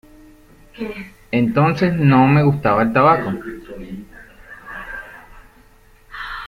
Entonces no me gustaba el tabaco.